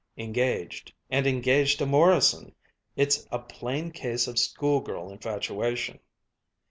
Engaged ... and engaged to Morrison! It's a plain case of schoolgirl infatuation!"